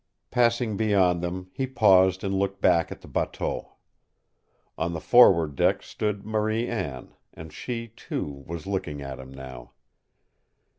Passing beyond them, he paused and looked back at the bateau. On the forward deck stood Marie Anne, and she, too, was looking at him now.